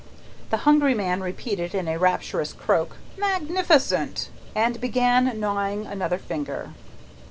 The hungry man repeated, in a rapturous croak, "Magnificent!" and began gnawing another finger.